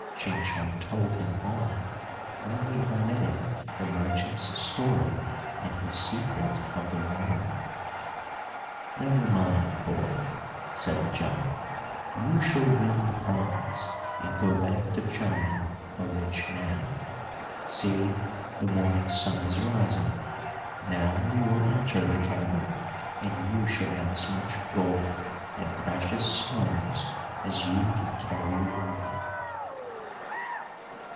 Ching Chong told him all, only omitting the merchant's story and his secret of the wand. "Never mind, boy," said the giant, "you shall win the prize, and go back to China a rich man. See, the morning sun is rising. Now we will enter the cavern, and you shall have as much gold and precious stones as you can carry away."